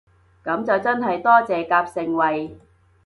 噉就真係多謝夾盛惠